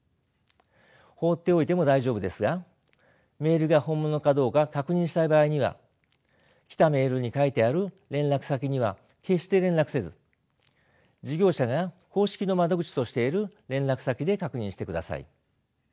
放っておいても大丈夫ですがメールが本物かどうか確認したい場合には来たメールに書いてある連絡先には決して連絡せず事業者が公式の窓口としている連絡先で確認してください。